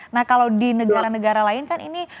nah kalau di negara negara lain kan ini